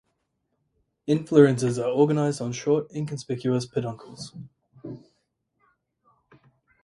Inflorescences are organized on short inconspicuous peduncles.